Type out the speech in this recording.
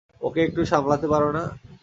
ওকে একটু সামলাতে পারো না?